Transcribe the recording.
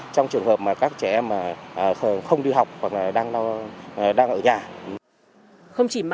trong trường hợp các trẻ em không đi học hoặc đang ở nhà